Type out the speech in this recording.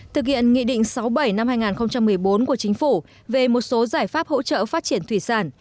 thực hiện nghị định sáu mươi bảy năm hai nghìn một mươi bốn của chính phủ về một số giải pháp hỗ trợ phát triển thủy sản